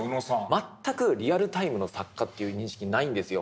全くリアルタイムの作家という認識ないんですよ。